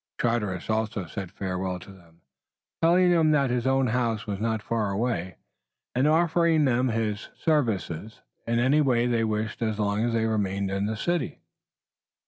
Charteris also said farewell to them, telling them that his own house was not far away, and offering them his services in any way they wished as long as they remained in the city.